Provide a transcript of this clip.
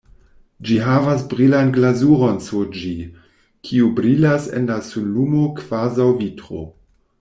Ĝi havas brilan glazuron sur ĝi, kiu brilas en la sunlumo kvazaŭ vitro.